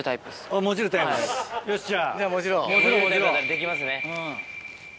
できますね。